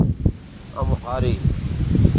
امہاری